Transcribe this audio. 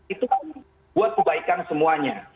itu kan buat kebaikan semuanya